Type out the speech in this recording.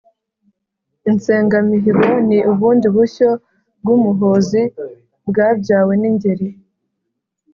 . Insengamihigo: Ni ubundi bushyo bw’Umuhozi bwabyawe n’Ingeri.